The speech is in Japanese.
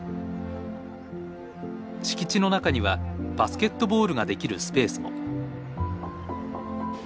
敷地の中にはバスケットボールができるスペースも。